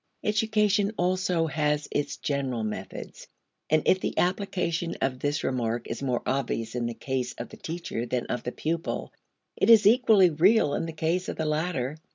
Education also has its general methods. And if the application of this remark is more obvious in the case of the teacher than of the pupil, it is equally real in the case of the latter.